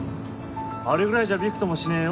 あれぐらいじゃびくともしねえよ